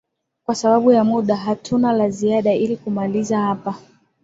kwa sababu ya muda hatuna la ziada ili kumalizia hapa